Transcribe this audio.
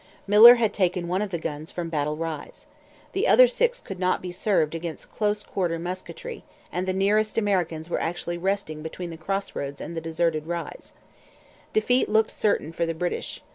Miller had taken one of the guns from Battle Rise. The other six could not be served against close quarter musketry; and the nearest Americans were actually resting between the cross roads and the deserted Rise. Defeat looked certain for the British.